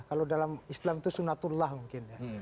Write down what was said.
kalau dalam islam itu sunatullah mungkin ya